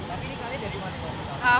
kamu dari mana